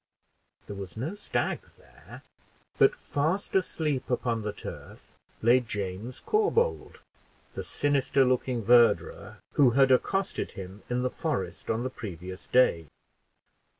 There was no stag there, but fast asleep upon the turf lay James Corbould, the sinister looking verderer who had accosted him in the forest on the previous day.